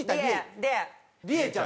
りえちゃん？